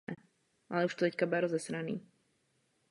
Rád bych se stručně zastavil u některých poznámek.